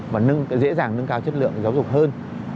và dễ dàng nâng cao chất lượng giáo dục hơn